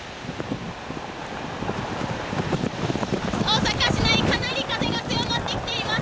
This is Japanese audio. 大阪市内かなり風が強まってきています。